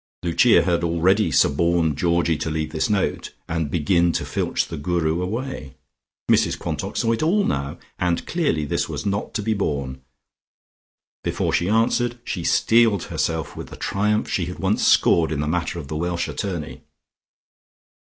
Lucia had already suborned Georgie to leave this note, and begin to filch the Guru away. Mrs Quantock saw it all now, and clearly this was not to be borne. Before she answered, she steeled herself with the triumph she had once scored in the matter of the Welsh attorney.